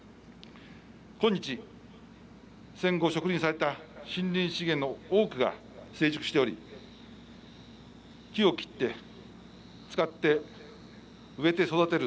今日、戦後植林された森林資源の多くが成熟しており「木を伐って、使って、植えて、育てる」